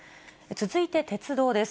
続いて鉄道です。